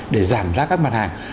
để giảm ra các mặt hàng